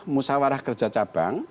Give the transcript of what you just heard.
musawarah kerja cabang